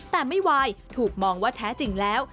แต่ไม่ไหวถูกมองว่าแท้จริงแล้ว